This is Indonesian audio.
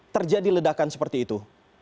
terjadi ledakan seperti itu